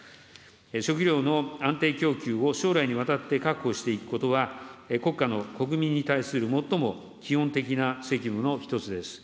食料の安定供給を将来にわたって確保していくことは、国家の国民に対する最も基本的な責務の一つです。